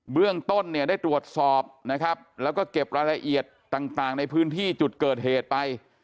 เรื่องต้นเนี่ยได้ตรวจสอบนะครับแล้วก็เก็บรายละเอียดต่างในพื้นที่จุดเกิดเหตุไป